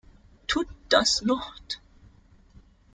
Tut das not?